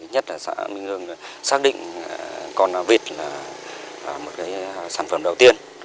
nhất là xác định con vịt là một sản phẩm đầu tiên